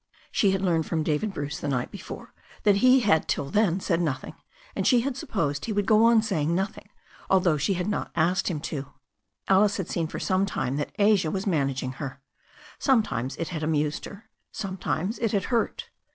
She had learned from David Bruce the night before that he had till then said nothing, and she THE STORY OF A NEW ZEALAND RIVER 345 had supposed he would go on saying nothing, although she had not asked him to. Alice had seen for some time that Asia was managing her. Sometimes it had amused her; sometimes it had hurt.